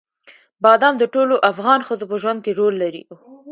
بادام د ټولو افغان ښځو په ژوند کې رول لري.